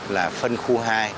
là phân khu hai